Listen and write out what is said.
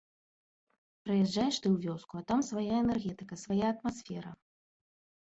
Прыязджаеш ты ў вёску, а там свая энергетыка, свая атмасфера.